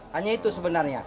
hanya itu sebenarnya